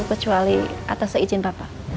kecuali atas izin bapak